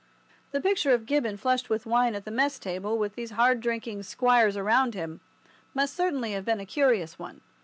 The picture of Gibbon flushed with wine at the mess table, with these hard drinking squires around him, must certainly have been a curious one.